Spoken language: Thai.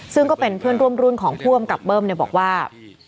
ซึ่งก็เป็นเพื่อนร่วมรุ่นของผู้อำกับเบิ้มบอกว่า